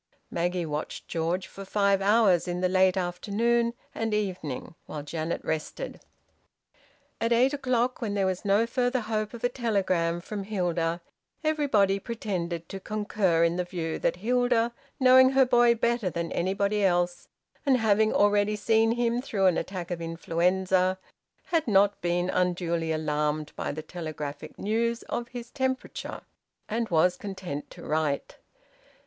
Maggie watched George for five hours in the late afternoon and evening, while Janet rested. At eight o'clock, when there was no further hope of a telegram from Hilda, everybody pretended to concur in the view that Hilda, knowing her boy better than anybody else, and having already seen him through an attack of influenza, had not been unduly alarmed by the telegraphic news of his temperature, and was content to write.